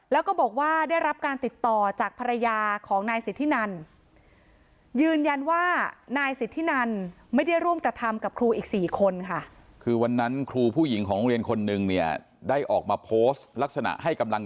แล้วก็บอกว่าได้รับการติดต่อจากภรรยาของนายสิทธินันยืนยันว่านายสิทธินันไม่ได้ร่วมกระทำกับครูอีก๔คนค่ะ